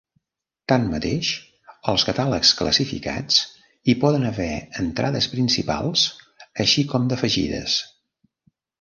Tanmateix, als catàlegs classificats hi poden haver entrades principals, així com d'afegides.